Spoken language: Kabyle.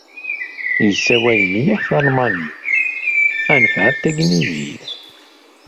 Yessawal mliḥ talmanit, anef ɛad a tanglizit.